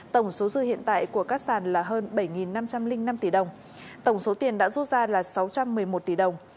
tổng số dư hiện tại của các sàn là hơn bảy năm trăm linh năm tỷ đồng tổng số tiền đã rút ra là sáu trăm một mươi một tỷ đồng